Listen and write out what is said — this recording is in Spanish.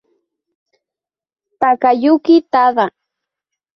Takayuki Tada